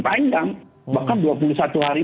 panjang bahkan dua puluh satu hari